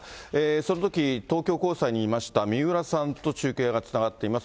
そのとき、東京高裁にいました、三浦さんと中継がつながっています。